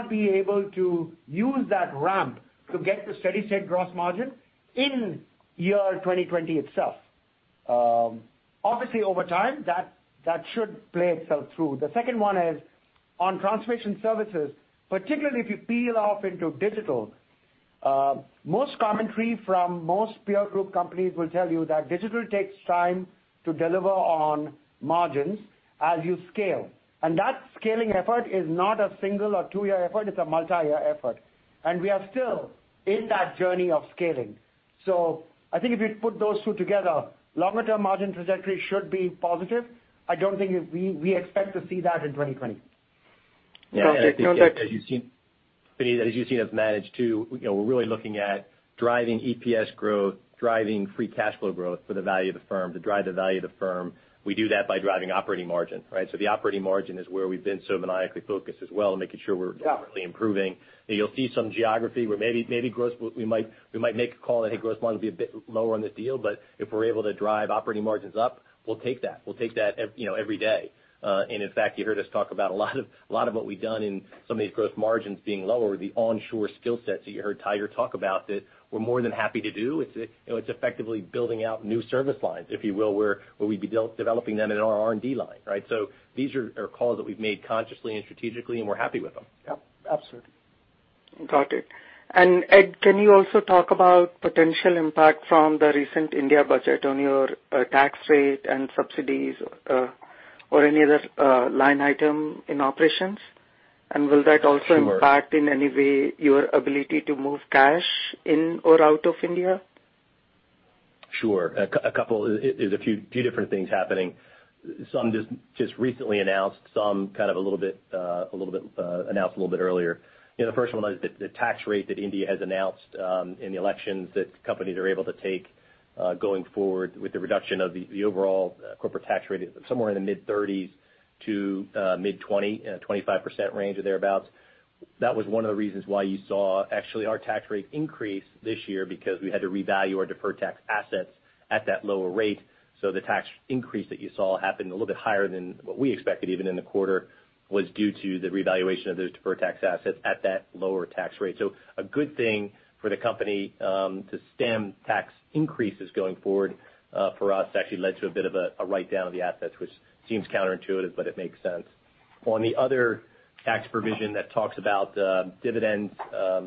S3: be able to use that ramp to get to steady state gross margin in year 2020 itself. Obviously, over time, that should play itself through. The second one is on transformation services, particularly if you peel off into digital. Most commentary from most peer group companies will tell you that digital takes time to deliver on margins as you scale. That scaling effort is not a single or two-year effort, it's a multi-year effort. We are still in that journey of scaling. I think if you put those two together, longer-term margin trajectory should be positive. I don't think we expect to see that in 2020.
S8: Got it.
S4: Yeah. I think as you've seen, Puneet, as you've seen us manage too, we're really looking at driving EPS growth, driving free cash flow growth to drive the value of the firm. We do that by driving operating margin, right. The operating margin is where we've been so maniacally focused as well.
S3: Yeah
S4: constantly improving. You'll see some geography where maybe we might make a call that, "Hey, gross margin will be a bit lower on this deal," but if we're able to drive operating margins up, we'll take that. We'll take that every day. In fact, you heard us talk about a lot of what we've done in some of these gross margins being lower, the onshore skill sets that you heard Tiger talk about, that we're more than happy to do. It's effectively building out new service lines, if you will, where we'd be developing them in our R&D line, right? These are calls that we've made consciously and strategically, and we're happy with them.
S3: Yep, absolutely.
S8: Got it. Ed, can you also talk about potential impact from the recent India budget on your tax rate and subsidies, or any other line item in operations?
S4: Sure
S8: impact in any way your ability to move cash in or out of India?
S4: Sure. There's a few different things happening. Some just recently announced, some kind of announced a little bit earlier. The first one was the tax rate that India has announced in the elections that companies are able to take going forward with the reduction of the overall corporate tax rate somewhere in the mid-30s to mid-20, 25% range or thereabouts. That was one of the reasons why you saw actually our tax rate increase this year because we had to revalue our deferred tax assets at that lower rate. The tax increase that you saw happen a little bit higher than what we expected even in the quarter was due to the revaluation of those deferred tax assets at that lower tax rate. A good thing for the company to stem tax increases going forward for us actually led to a bit of a write-down of the assets, which seems counterintuitive, but it makes sense. On the other tax provision that talks about dividends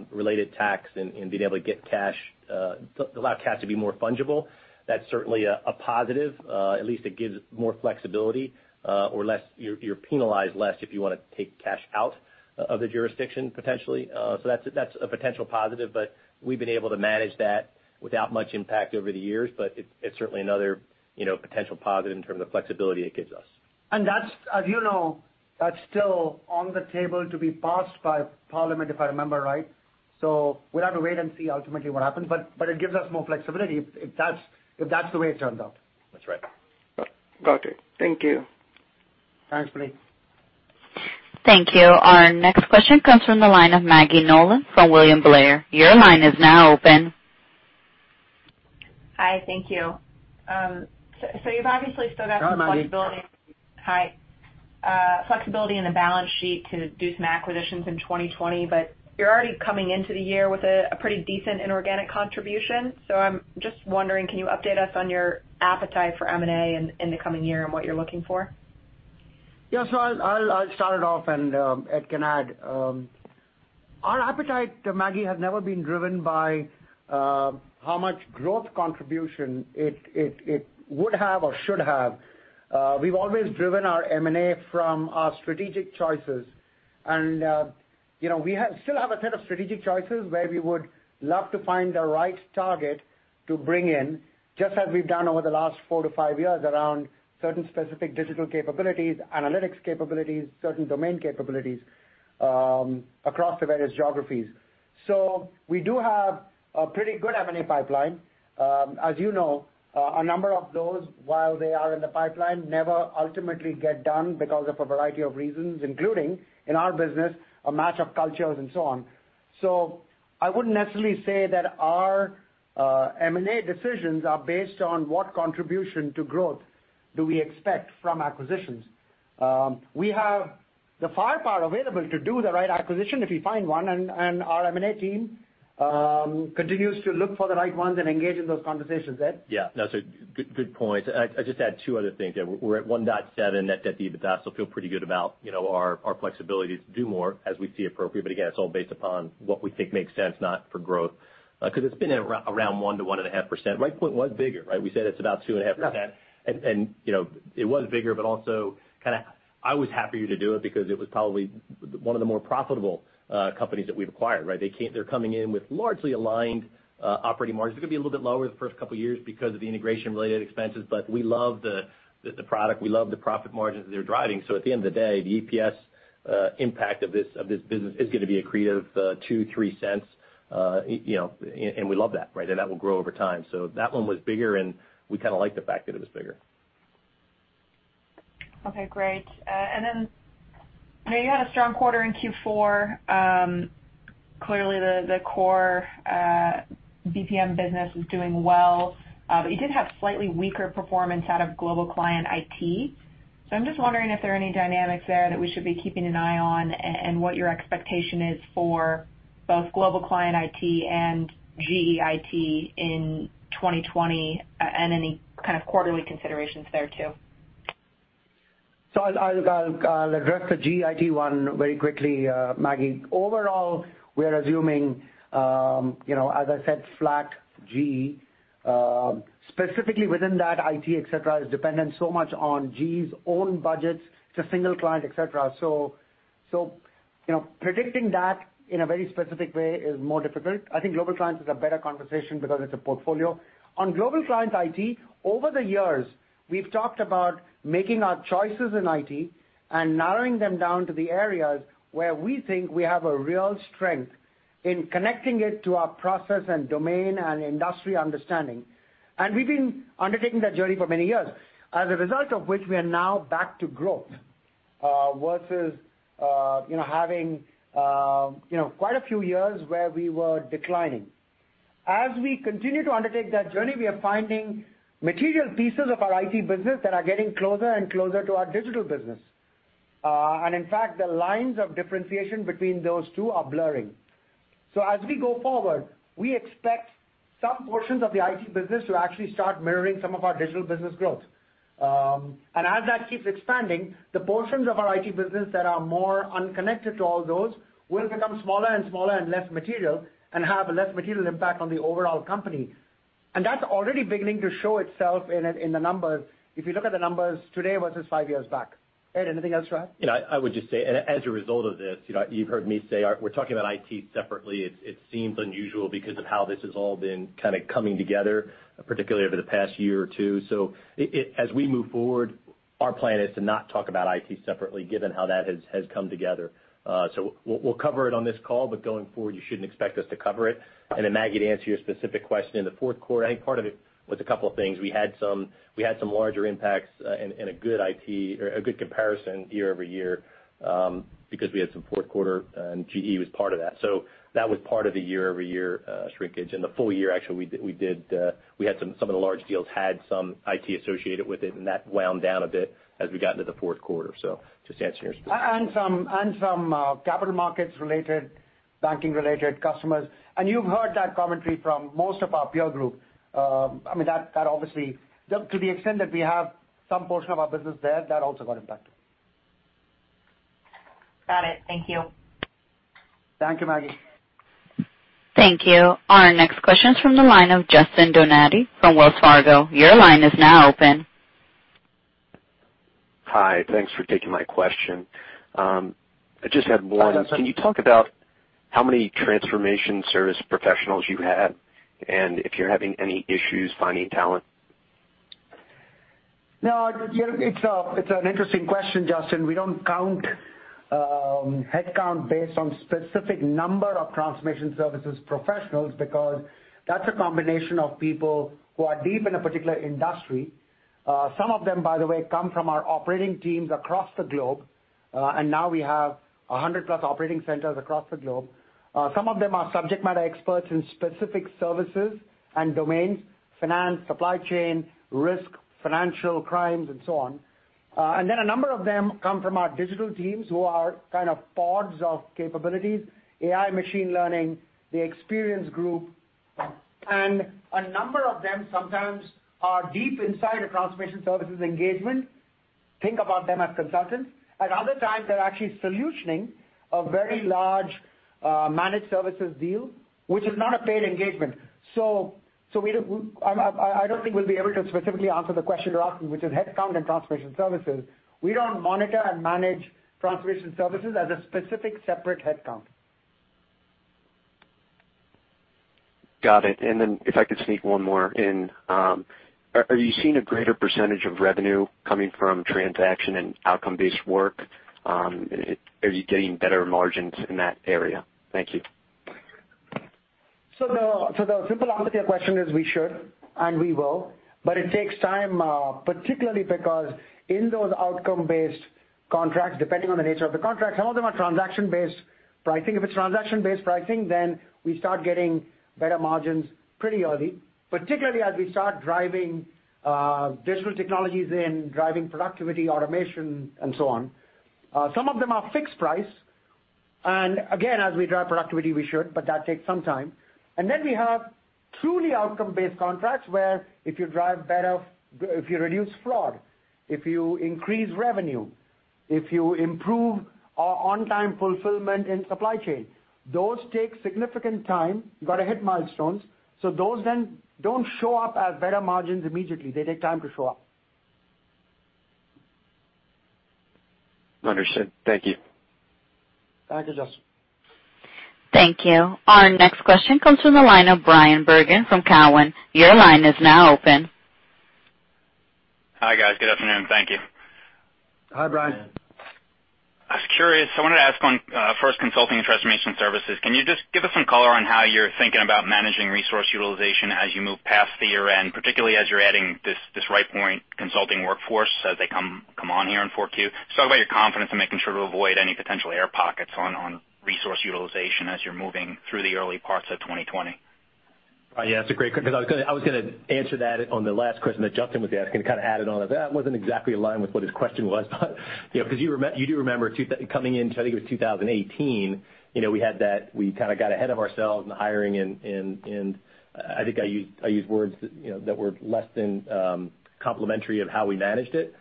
S4: related tax and being able to allow cash to be more fungible, that's certainly a positive. At least it gives more flexibility or you're penalized less if you want to take cash out of the jurisdiction, potentially. That's a potential positive, but we've been able to manage that without much impact over the years. It's certainly another potential positive in terms of flexibility it gives us.
S3: As you know, that's still on the table to be passed by Parliament, if I remember right. We'll have to wait and see ultimately what happens, but it gives us more flexibility if that's the way it turns out.
S4: That's right.
S8: Got it. Thank you.
S3: Thanks, Puneet.
S1: Thank you. Our next question comes from the line of Maggie Nolan from William Blair. Your line is now open.
S9: Hi, thank you. You've obviously still got some flexibility.
S3: Go on, Maggie.
S9: Hi. Flexibility in the balance sheet to do some acquisitions in 2020, but you're already coming into the year with a pretty decent inorganic contribution. I'm just wondering, can you update us on your appetite for M&A in the coming year and what you're looking for?
S3: Yeah. I'll start it off and Ed can add. Our appetite, Maggie, has never been driven by how much growth contribution it would have or should have. We've always driven our M&A from our strategic choices. We still have a set of strategic choices where we would love to find the right target to bring in, just as we've done over the last 4-5 years around certain specific digital capabilities, analytics capabilities, certain domain capabilities, across the various geographies. We do have a pretty good M&A pipeline. As you know, a number of those, while they are in the pipeline, never ultimately get done because of a variety of reasons, including, in our business, a match of cultures and so on. I wouldn't necessarily say that our M&A decisions are based on what contribution to growth do we expect from acquisitions. We have the firepower available to do the right acquisition if we find one, and our M&A team continues to look for the right ones and engage in those conversations. Ed?
S4: Yeah, no, good point. I'd just add two other things there. We're at 1.7 net debt to EBITDA, feel pretty good about our flexibility to do more as we see appropriate. Again, it's all based upon what we think makes sense, not for growth. Because it's been around 1%-1.5%. Rightpoint was bigger, right? We said it's about 2.5%.
S3: Yeah.
S4: It was bigger, but also I was happier to do it because it was probably one of the more profitable companies that we've acquired, right? They're coming in with largely aligned operating margins. They're going to be a little bit lower the first couple of years because of the integration-related expenses, but we love the product. We love the profit margins that they're driving. At the end of the day, the EPS impact of this business is going to be accretive $0.02, $0.03, and we love that, right? That will grow over time. That one was bigger, and we kind of liked the fact that it was bigger.
S9: Okay, great. You had a strong quarter in Q4. Clearly, the core BPM business is doing well. You did have slightly weaker performance out of Global Client IT. I'm just wondering if there are any dynamics there that we should be keeping an eye on, and what your expectation is for both Global Client IT and GE IT in 2020, and any kind of quarterly considerations there, too.
S3: I'll address the GE IT one very quickly, Maggie. Overall, we are assuming, as I said, flat GE. Specifically within that IT, et cetera, is dependent so much on GE's own budgets to single client, et cetera. Predicting that in a very specific way is more difficult. I think Global Clients is a better conversation because it's a portfolio. On Global Client IT, over the years, we've talked about making our choices in IT and narrowing them down to the areas where we think we have a real strength in connecting it to our process and domain and industry understanding. We've been undertaking that journey for many years. As a result of which, we are now back to growth versus having quite a few years where we were declining. As we continue to undertake that journey, we are finding material pieces of our IT business that are getting closer and closer to our digital business. In fact, the lines of differentiation between those two are blurring. As we go forward, we expect some portions of the IT business to actually start mirroring some of our digital business growth. As that keeps expanding, the portions of our IT business that are more unconnected to all those will become smaller and smaller and less material, and have a less material impact on the overall company. That's already beginning to show itself in the numbers. If you look at the numbers today versus five years back. Ed, anything else to add?
S4: I would just say, as a result of this, you've heard me say we're talking about IT separately. It seems unusual because of how this has all been kind of coming together, particularly over the past year or two. As we move forward, our plan is to not talk about IT separately, given how that has come together. We'll cover it on this call, but going forward, you shouldn't expect us to cover it. Then Maggie, to answer your specific question, in the fourth quarter, I think part of it was a couple of things. We had some larger impacts and a good comparison year-over-year, because we had some fourth quarter, and GE was part of that. That was part of the year-over-year shrinkage. In the full year, actually, some of the large deals had some IT associated with it, and that wound down a bit as we got into the fourth quarter.
S3: Some capital markets-related, banking-related customers. You've heard that commentary from most of our peer group. To the extent that we have some portion of our business there, that also got impacted.
S9: Got it. Thank you.
S3: Thank you, Maggie.
S1: Thank you. Our next question is from the line of Justin Donati from Wells Fargo. Your line is now open.
S10: Hi. Thanks for taking my question. I just had one.
S3: Hi, Justin.
S10: Can you talk about how many transformation service professionals you have, and if you're having any issues finding talent?
S3: It's an interesting question, Justin. We don't count headcount based on specific number of transformation services professionals, because that's a combination of people who are deep in a particular industry. Some of them, by the way, come from our operating teams across the globe, now we have 100+ operating centers across the globe. Some of them are subject matter experts in specific services and domains, finance, supply chain, risk, financial crimes, and so on. A number of them come from our digital teams, who are kind of pods of capabilities, AI, machine learning, the experience group. A number of them sometimes are deep inside a transformation services engagement. Think about them as consultants. At other times, they're actually solutioning a very large managed services deal, which is not a paid engagement. I don't think we'll be able to specifically answer the question you're asking, which is headcount and transformation services. We don't monitor and manage transformation services as a specific, separate headcount.
S10: Got it. If I could sneak one more in. Are you seeing a greater percentage of revenue coming from transaction and outcome-based work? Are you getting better margins in that area? Thank you.
S3: The simple answer to your question is we should, and we will, but it takes time, particularly because in those outcome-based contracts, depending on the nature of the contracts, some of them are transaction-based pricing. If it's transaction-based pricing, we start getting better margins pretty early, particularly as we start driving digital technologies in driving productivity, automation, and so on. Some of them are fixed price, and again, as we drive productivity, we should, but that takes some time. Then we have truly outcome-based contracts, where if you drive better, if you reduce fraud, if you increase revenue, if you improve on-time fulfillment in supply chain, those take significant time. You've got to hit milestones. Those then don't show up as better margins immediately. They take time to show up.
S10: Understood. Thank you.
S3: Thank you, Justin.
S1: Thank you. Our next question comes from the line of Bryan Bergin from Cowen. Your line is now open.
S11: Hi, guys. Good afternoon. Thank you.
S3: Hi, Bryan.
S11: I was curious, I wanted to ask on first consulting and transformation services. Can you just give us some color on how you're thinking about managing resource utilization as you move past the year-end, particularly as you're adding this Rightpoint consulting workforce as they come on here in 4Q? Just talk about your confidence in making sure to avoid any potential air pockets on resource utilization as you're moving through the early parts of 2020.
S4: Yeah, that's a great. I was going to answer that on the last question that Justin was asking, kind of add it on. That wasn't exactly in line with what his question was. You do remember coming in, I think it was 2018, we kind of got ahead of ourselves in the hiring. I think I used words that were less than complimentary of how we managed it,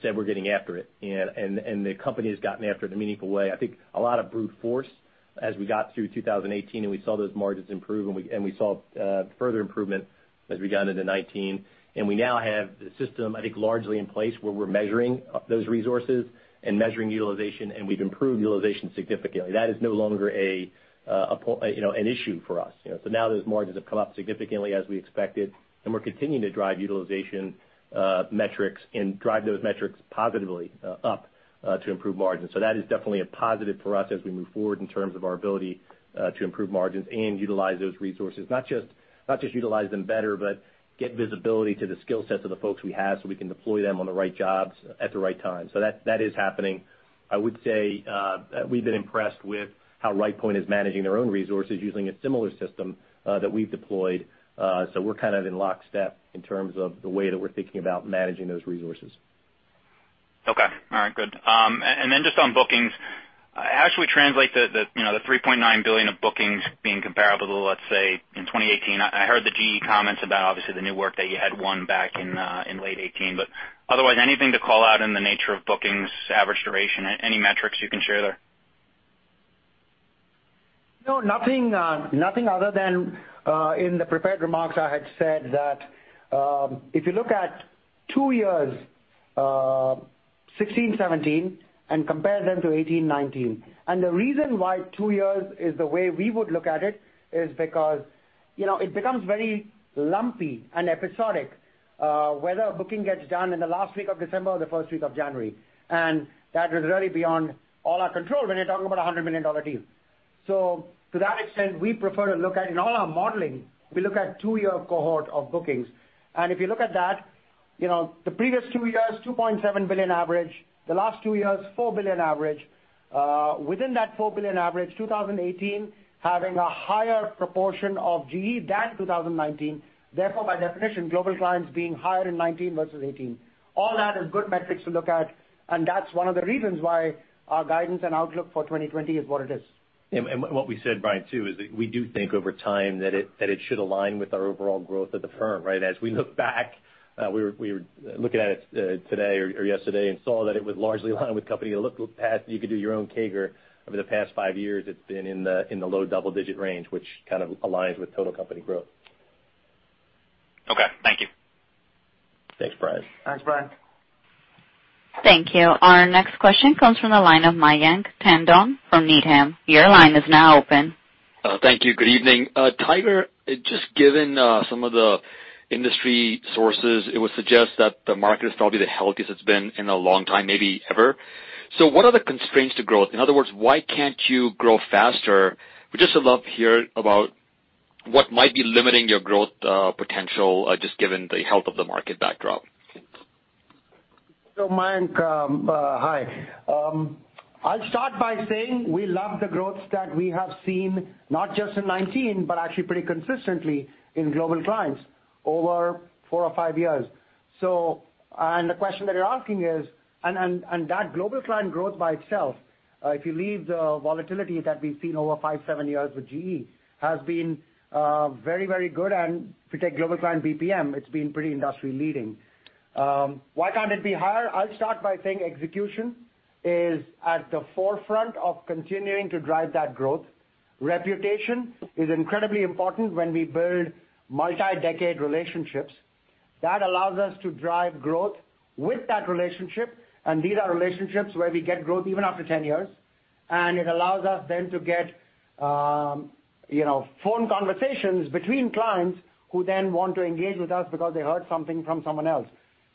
S4: said we're getting after it, the company has gotten after it in a meaningful way. I think a lot of brute force as we got through 2018. We saw those margins improve. We saw further improvement as we got into 2019. We now have the system, I think, largely in place where we're measuring those resources and measuring utilization. We've improved utilization significantly. That is no longer an issue for us. Now those margins have come up significantly as we expected, and we're continuing to drive utilization metrics and drive those metrics positively up to improve margins. That is definitely a positive for us as we move forward in terms of our ability to improve margins and utilize those resources. Not just utilize them better, but get visibility to the skill sets of the folks we have so we can deploy them on the right jobs at the right time. That is happening. I would say that we've been impressed with how Rightpoint is managing their own resources using a similar system that we've deployed. We're kind of in lockstep in terms of the way that we're thinking about managing those resources.
S11: Okay. All right, good. Just on bookings, how should we translate the $3.9 billion of bookings being comparable to, let's say, in 2018? I heard the GE comments about obviously the new work that you had won back in late 2018. Otherwise, anything to call out in the nature of bookings, average duration, any metrics you can share there?
S3: No, nothing other than in the prepared remarks I had said that if you look at two years, 2016, 2017, and compare them to 2018, 2019. The reason why two years is the way we would look at it is because it becomes very lumpy and episodic whether a booking gets done in the last week of December or the first week of January. That is really beyond all our control when you're talking about a $100 million deal. To that extent, we prefer to look at, in all our modeling, we look at two-year cohort of bookings. If you look at that, the previous two years, $2.7 billion average. The last two years, $4 billion average. Within that $4 billion average, 2018 having a higher proportion of GE than 2019. Therefore, by definition, Global Clients being higher in 2019 versus 2018. All that is good metrics to look at, and that's one of the reasons why our guidance and outlook for 2020 is what it is.
S4: What we said, Bryan, too, is that we do think over time that it should align with our overall growth of the firm, right? As we look back, we were looking at it today or yesterday and saw that it would largely align with company. You look at past, you could do your own CAGR. Over the past five years, it's been in the low double-digit range, which kind of aligns with total company growth.
S3: Thanks, Bryan.
S1: Thank you. Our next question comes from the line of Mayank Tandon from Needham. Your line is now open.
S12: Thank you. Good evening. Tiger, just given some of the industry sources, it would suggest that the market is probably the healthiest it's been in a long time, maybe ever. What are the constraints to growth? In other words, why can't you grow faster? We'd just love to hear about what might be limiting your growth potential, just given the health of the market backdrop.
S3: Mayank, hi. I'll start by saying we love the growth that we have seen, not just in 2019, but actually pretty consistently in Global Clients over four or five years. The question that you're asking is And that Global Client growth by itself, if you leave the volatility that we've seen over five, seven years with GE, has been very, very good. If you take Global Client BPM, it's been pretty industry-leading. Why can't it be higher? I'll start by saying execution is at the forefront of continuing to drive that growth. Reputation is incredibly important when we build multi-decade relationships. That allows us to drive growth with that relationship, and these are relationships where we get growth even after 10 years. It allows us then to get phone conversations between clients who then want to engage with us because they heard something from someone else.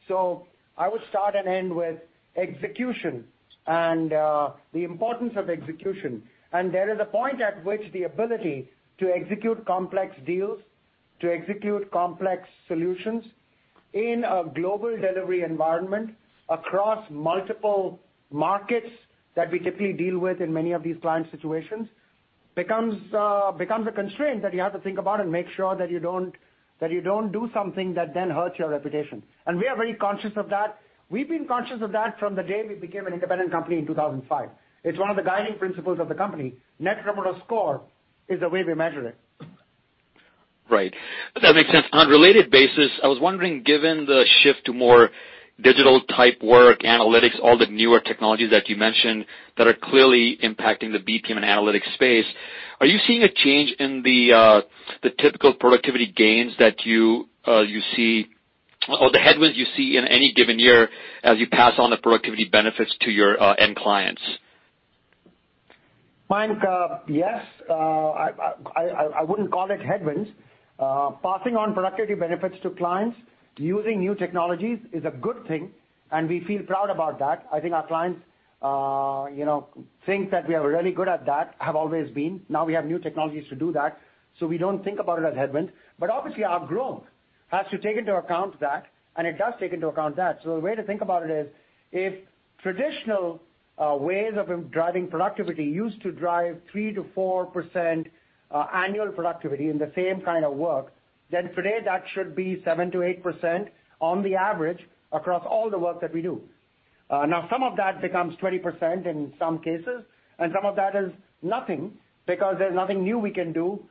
S3: I would start and end with execution and the importance of execution. There is a point at which the ability to execute complex deals, to execute complex solutions in a global delivery environment across multiple markets that we typically deal with in many of these client situations, becomes a constraint that you have to think about and make sure that you don't do something that then hurts your reputation. We are very conscious of that. We've been conscious of that from the day we became an independent company in 2005. It's one of the guiding principles of the company. Net Promoter Score is the way we measure it.
S12: Right. That makes sense. On related basis, I was wondering, given the shift to more digital type work, analytics, all the newer technologies that you mentioned that are clearly impacting the BPM and analytics space, are you seeing a change in the typical productivity gains that you see or the headwinds you see in any given year as you pass on the productivity benefits to your end clients?
S3: Mayank, yes. I wouldn't call it headwinds. Passing on productivity benefits to clients using new technologies is a good thing, and we feel proud about that. I think our clients think that we are really good at that, have always been. We have new technologies to do that, so we don't think about it as headwinds. Obviously, our growth has to take into account that, and it does take into account that. The way to think about it is, if traditional ways of driving productivity used to drive 3%-4% annual productivity in the same kind of work, then today that should be 7%-8% on the average across all the work that we do. Some of that becomes 20% in some cases, and some of that is nothing because there's nothing new we can do,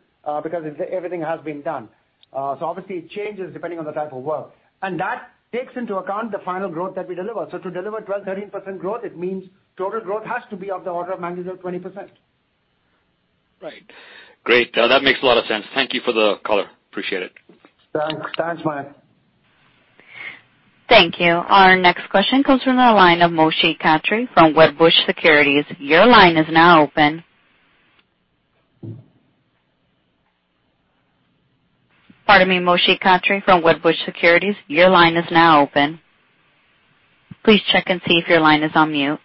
S3: because everything has been done. Obviously, it changes depending on the type of work. That takes into account the final growth that we deliver. To deliver 12%, 13% growth, it means total growth has to be of the order of 19% or 20%.
S12: Right. Great. That makes a lot of sense. Thank you for the color. Appreciate it.
S3: Thanks. Thanks, Mayank.
S1: Thank you. Our next question comes from the line of Moshe Katri from Wedbush Securities. Your line is now open. Pardon me, Moshe Katri from Wedbush Securities. Your line is now open. Please check and see if your line is on mute.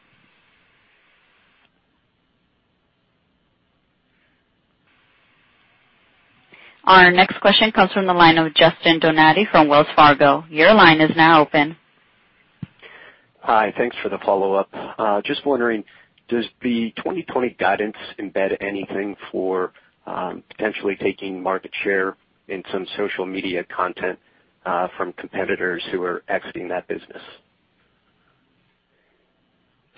S1: Our next question comes from the line of Justin Donati from Wells Fargo. Your line is now open.
S10: Hi. Thanks for the follow-up. Just wondering, does the 2020 guidance embed anything for potentially taking market share in some social media content from competitors who are exiting that business?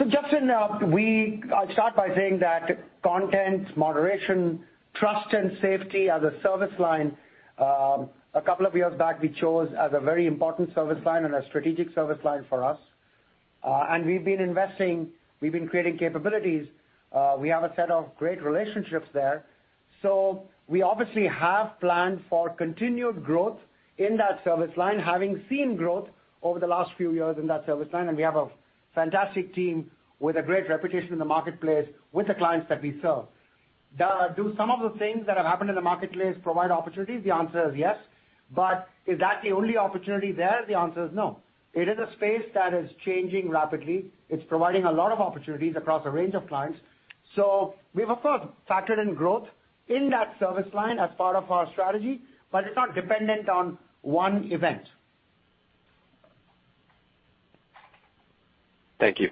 S3: Justin, I'll start by saying that content, moderation, trust, and safety as a service line, a couple of years back, we chose as a very important service line and a strategic service line for us. We've been investing, we've been creating capabilities. We have a set of great relationships there. We obviously have planned for continued growth in that service line, having seen growth over the last few years in that service line, and we have a fantastic team with a great reputation in the marketplace with the clients that we serve. Do some of the things that have happened in the marketplace provide opportunities? The answer is yes. Is that the only opportunity there? The answer is no. It is a space that is changing rapidly. It's providing a lot of opportunities across a range of clients. We have, of course, factored in growth in that service line as part of our strategy, but it's not dependent on one event.
S10: Thank you.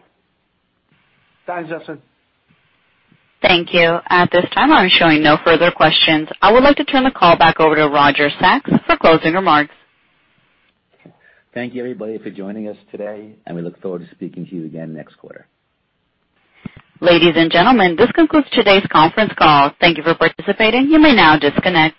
S3: Thanks, Justin.
S1: Thank you. At this time, I'm showing no further questions. I would like to turn the call back over to Roger Sachs for closing remarks.
S2: Thank you, everybody, for joining us today, and we look forward to speaking to you again next quarter.
S1: Ladies and gentlemen, this concludes today's conference call. Thank you for participating. You may now disconnect.